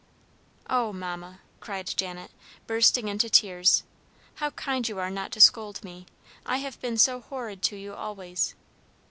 "Oh, Mamma!" cried Janet, bursting into tears. "How kind you are not to scold me! I have been so horrid to you always."